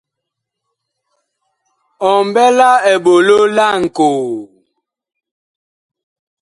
Ɔ mɓɛ la eɓolo laŋkoo ?